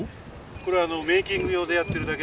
これはメーキング用でやってるだけでですね